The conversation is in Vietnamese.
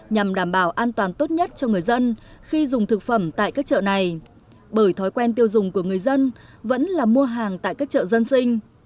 nhằm đảm bảo an toàn tốt nhất cho người dân khi dùng thực phẩm tại các chợ này bởi thói quen tiêu dùng của người dân vẫn là mua hàng tại các chợ dân sinh